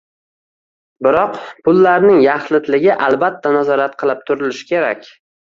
Biroq pullarning yaxlitligi albatta nazorat qilib turilishi kerak.